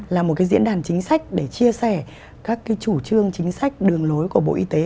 là một cái diễn đàn chính sách để chia sẻ các cái chủ trương chính sách đường lối của bộ y tế